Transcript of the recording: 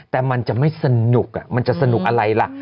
แต่มันจะไม่สนุกมันจะสนุกอะไรล่ะ